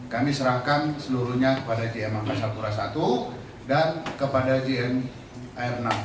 kami serahkan seluruhnya kepada jm angkasa pura i dan kepada gm air enam